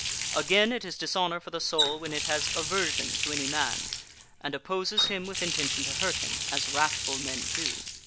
Again it is dishonour for the soul when it has aversion to any man, and opposes him with intention to hurt him, as wrathful men do.